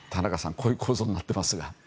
こういう構造になってますが。